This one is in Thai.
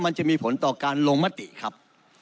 ก็ต้องการลงมติครับ